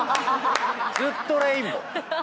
ずっとレインボー。